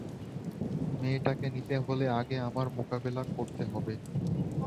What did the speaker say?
মেয়েটাকে নিতে হলে আগে আমার মোকাবিলা করতে হবে।